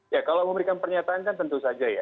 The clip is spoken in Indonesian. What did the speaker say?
ya kalau memberikan pernyataan kan tentu saja ya